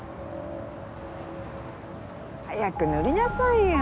早く塗りなさいよ！